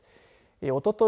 おととい